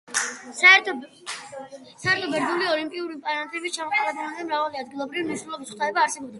საერთო ბერძნული ოლიმპიური პანთეონის ჩამოყალიბებამდე მრავალი ადგილობრივი მნიშვნელობის ღვთაება არსებობდა.